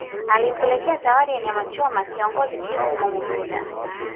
Alimpelekea zawadi ya nyamachoma kiongozi Chifu Mwamududa